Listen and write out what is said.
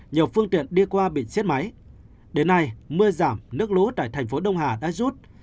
nhiều phương tiện đi qua bị xiết máy đến nay mưa giảm nước lũ tại thành phố đông hà đã rút